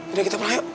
udah kita pulang yuk